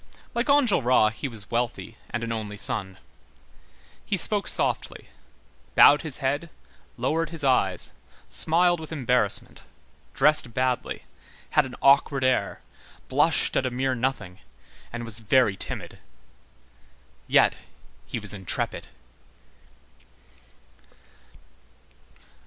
Like Enjolras, he was wealthy and an only son. He spoke softly, bowed his head, lowered his eyes, smiled with embarrassment, dressed badly, had an awkward air, blushed at a mere nothing, and was very timid. Yet he was intrepid.